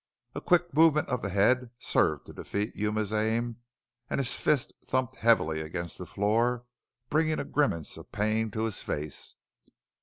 A quick movement of the head served to defeat Yuma's aim and his fist thumped heavily against the floor, bringing a grimace of pain to his face.